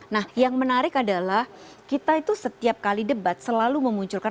nah yang menarik adalah kita itu setiap kali debat selalu memunculkan